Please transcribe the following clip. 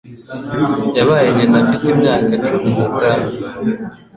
Yabaye nyina afite imyaka cumi n'itanu.